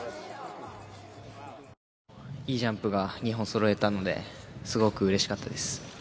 いいジャンプが２本そろえたので、すごくうれしかったです。